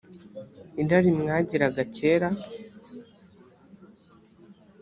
irari mwagiraga kera